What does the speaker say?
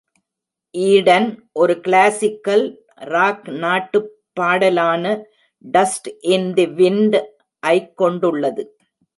"Eden" ஒரு classical rock நாட்டுப்பாடலான, "dust in the wind" ஐக் கொண்டுள்ளது.